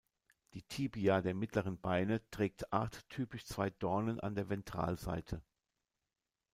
Die Tibia der mittleren Beine trägt arttypisch zwei Dornen an der Ventralseite.